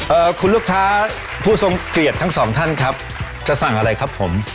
เอ่อคุณลูกค้าผู้ทรงเกียรติทั้งสองท่านครับจะสั่งอะไรครับผม